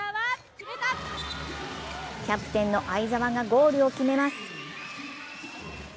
キャプテンの相澤がゴールを決めます。